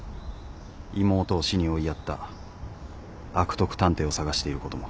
妹を死に追いやった悪徳探偵を捜していることも。